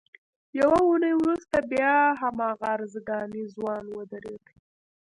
یوه اونۍ وروسته بیا هماغه ارزګانی ځوان ودرېد.